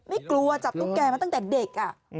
ไม่กลัวจับตุ๊กแกมาตั้งแต่เด็ก